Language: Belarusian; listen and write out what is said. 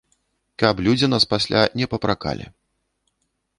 Каб людзі нас пасля не папракалі.